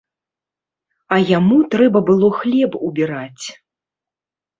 А яму трэба было хлеб убіраць.